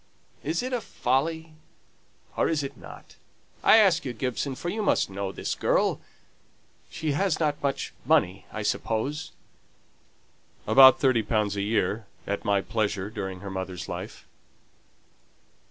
Is it a folly, or is it not? I ask you, Gibson, for you must know this girl. She hasn't much money, I suppose?" "About thirty pounds a year, at my pleasure during her mother's life."